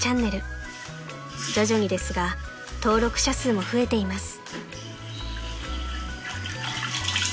［徐々にですが登録者数も増えています］